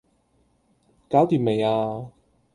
搞掂未呀?